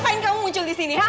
kamu akan menjauh di sini